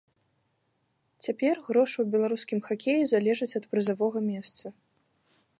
Цяпер грошы ў беларускім хакеі залежаць ад прызавога месца.